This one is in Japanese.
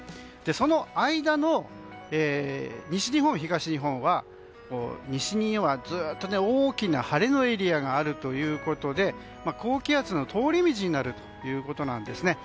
その間の西日本、東日本は西には、ずっと大きな晴れのエリアがあるということで高気圧の通り道になるということなんですね。